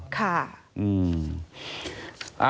ค่ะ